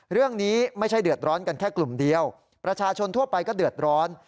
เรื่องนี้ไม่ใช่เดือดร้อนกันแค่กลุ่มเดียวประชาชนทั่วไปก็เดือดร้อน